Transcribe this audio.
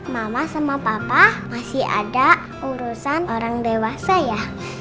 mama sama papa masih ada urusan orang dewasa ya